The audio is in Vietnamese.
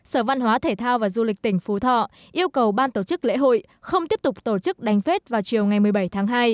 sở văn hóa thể thao và du lịch tỉnh phú thọ yêu cầu ban tổ chức lễ hội không tiếp tục tổ chức đánh phết vào chiều ngày một mươi bảy tháng hai